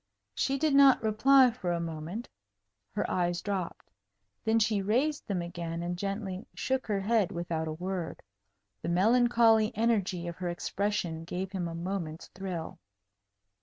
She did not reply for a moment. Her eyes dropped. Then she raised them again, and gently shook her head without a word. The melancholy energy of her expression gave him a moment's thrill.